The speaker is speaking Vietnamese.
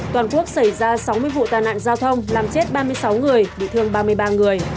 toàn quốc xảy ra sáu mươi vụ tai nạn giao thông làm chết ba mươi sáu người bị thương ba mươi ba người